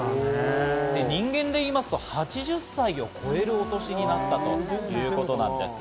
人間でいいますと、８０歳を超えるお年になったということなんです。